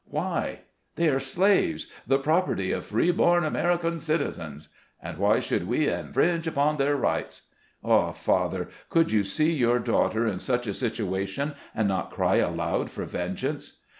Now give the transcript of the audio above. Why ? They are slaves ! the property of free born American citizens ; and why should we infringe upon their rights ? Ah, father ! could you see your daughter in such a situa tion and not cry aloud for vengeance